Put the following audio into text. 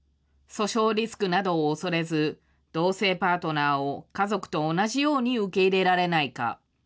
訴訟リスクなどを恐れず、同性パートナーを家族と同じように受け入れられないか。